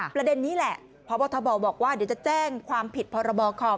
ประเด็นนี้แหละพบทบบอกว่าเดี๋ยวจะแจ้งความผิดพรบคอม